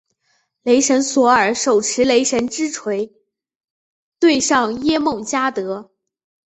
雷神索尔手持雷神之锤对上耶梦加得。